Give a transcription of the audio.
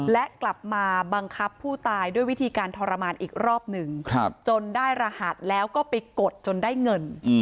และกลับมาบังคับผู้ตายด้วยวิธีการทรมานอีกรอบหนึ่งจนได้รหัสแล้วก็ไปกดจนได้เงิน